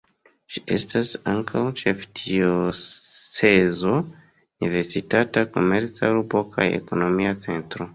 Ĝi estas ankaŭ ĉefdiocezo, universitata, komerca urbo kaj ekonomia centro.